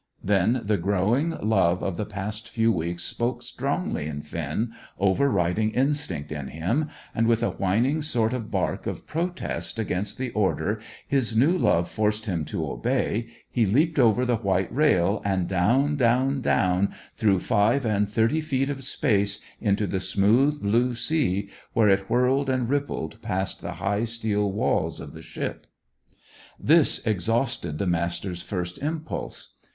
Then the growing love of the past few weeks spoke strongly in Finn, overriding instinct in him, and, with a whining sort of bark of protest against the order his new love forced him to obey, he leaped over the white rail, and down, down, down through five and thirty feet of space into the smooth, blue sea, where it swirled and rippled past the high steel walls of the ship. This exhausted the Master's first impulse.